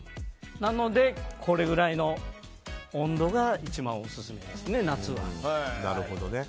なので、これぐらいの温度が一番オススメですね、夏は。